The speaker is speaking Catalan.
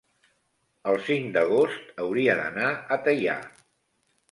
el cinc d'agost hauria d'anar a Teià.